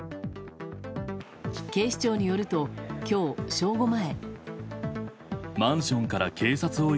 警視庁によると今日、正午前。